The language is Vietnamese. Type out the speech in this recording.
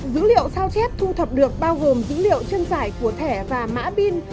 dữ liệu sao chép thu thập được bao gồm dữ liệu chân giải của thẻ và mã pin